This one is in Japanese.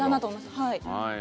はい。